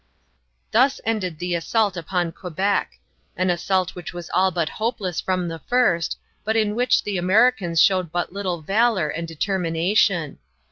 Thus ended the assault upon Quebec an assault which was all but hopeless from the first, but in which Americans showed but little valor and determination.